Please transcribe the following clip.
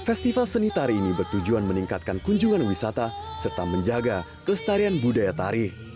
festival seni tari ini bertujuan meningkatkan kunjungan wisata serta menjaga kelestarian budaya tari